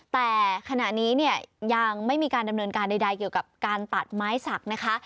แต่ขณะนี้เนี่ยยังไม่มีการดำเนินการใดเกี่ยวกับการตัดไม้สักนะคะ